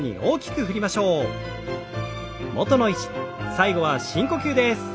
最後は深呼吸です。